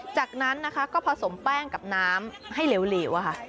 จากนั้นนะคะก็ผสมแป้งกับน้ำให้เหลวค่ะ